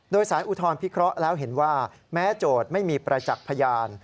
โดยสารอุทธรณพิเคราะห์แล้วเห็นว่าแม้โจทย์ไม่มีประจักษ์พยาน